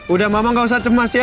udah mama gak usah cemas ya